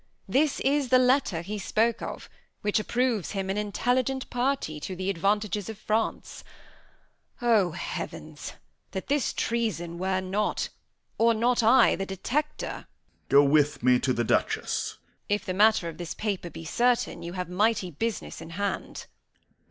This is the letter he spoke of, which approves him an intelligent party to the advantages of France. O heavens! that this treason were not or not I the detector! Corn. Go with me to the Duchess. Edm. If the matter of this paper be certain, you have mighty business in hand.